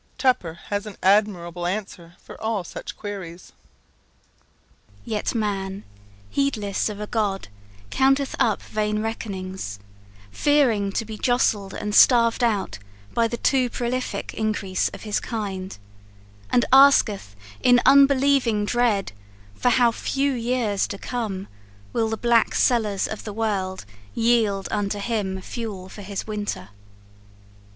Tupper has an admirable answer for all such queries: "Yet man, heedless of a God, counteth up vain reckonings, Fearing to be jostled and starved out by the too prolific increase of his kind, And asketh, in unbelieving dread, for how few years to come Will the black cellars of the world yield unto him fuel for his winter.